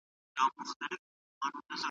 وضعي قوانین تل د بدلون په حال کي وي.